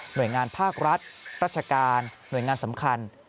โดยงานภาครัฐราชการหน่วยงานสำคัญ